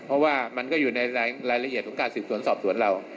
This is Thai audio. เพราะว่ามันก็อยู่ในรายละเอียดของการสืบสวนสอบสวนเรา